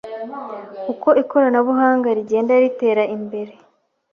Uko ikoranabuhanga rigenda ritera imbere,